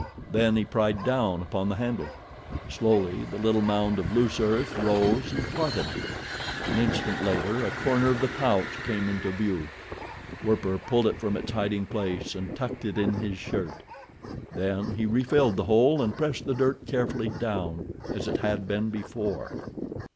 Then he pried down upon the handle. Slowly the little mound of loose earth rose and parted. An instant later a corner of the pouch came into view. Werper pulled it from its hiding place, and tucked it in his shirt. Then he refilled the hole and pressed the dirt carefully down as it had been before.